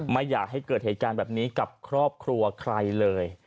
ไม่อยากให้เกิดเหตุการณ์แบบนี้กับครอบครัวใครเลย